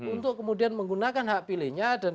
untuk kemudian menggunakan hak pilihnya dan